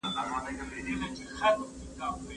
څېړنه په لغت کې د لټون او موندنې په مانا ده.